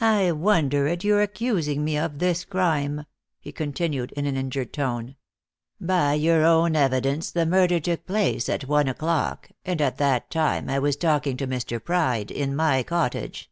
I wonder at your accusing me of this crime," he continued in an injured tone. "By your own evidence the murder took place at one o'clock, and at that time I was talking to Mr. Pride in my cottage.